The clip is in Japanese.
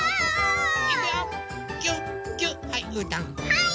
はい！